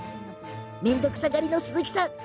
面倒くさがりな鈴木さん